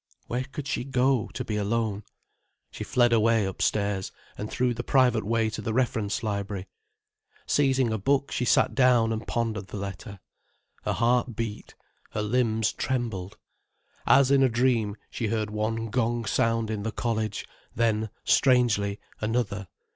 Where could she go, to be alone? She fled away, upstairs, and through the private way to the reference library. Seizing a book, she sat down and pondered the letter. Her heart beat, her limbs trembled. As in a dream, she heard one gong sound in the college, then, strangely, another.